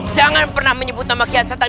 jangan pernah menyebut nama kian setan